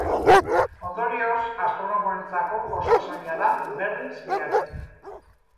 Ondorioz, astronomoentzako oso zaila da berriz behatzea.